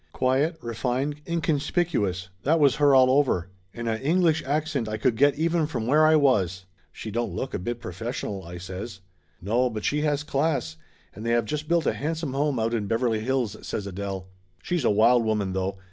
Quiet, refined, inconspicuous. That was her all over! And a English accent I could get even from where I was ! "She don't look a bit professional," I says. "No, but she has class, and they have just built a handsome home out in Beverly Hills," says Adele. "She's a wild woman, though.